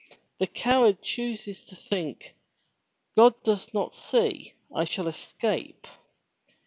The coward chooses to think 'God does not see. I shall escape.